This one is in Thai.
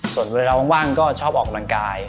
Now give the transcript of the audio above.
ส่วนเวลาว่างก็ชอบออกกำลังกาย